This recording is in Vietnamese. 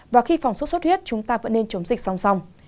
và khi phòng sốt xuất huyết chúng ta vẫn nên chống dịch song song